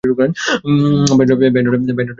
Bayonet উঁচিয়ে ধরো!